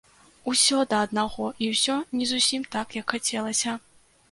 Усё да аднаго, і ўсё не зусім так, як хацелася.